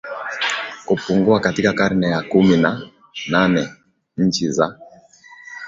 kupungua Katika karne ya kumi na nane nchi za